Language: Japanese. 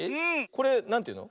これなんていうの？